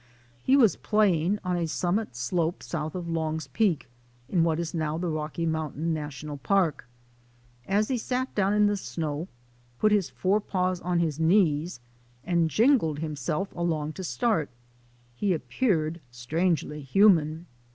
He was play ing on a summit slope south of Long's Peak in what is now the Rocky Mountain National Park. As he sat down in the snow, put his fore paws on his 204 THE ADVENTURES OF A NATURE GUIDE knees and jiggled himself along to start, he ap peared strangely human.